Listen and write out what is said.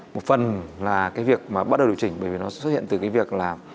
một phần là cái việc mà bắt đầu điều chỉnh bởi vì nó xuất hiện từ cái việc là